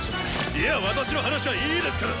いや私の話はいいですから！